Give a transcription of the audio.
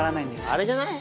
あれじゃない？